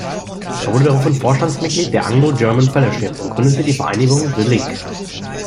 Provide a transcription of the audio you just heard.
Er wurde daraufhin Vorstandsmitglied der Anglo-German-Fellowship und gründete die Vereinigung "The Link".